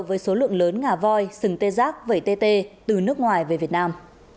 với số lượng lớn ngả voi sừng tê giác vẩy tê tê từ nước ngoài về việt nam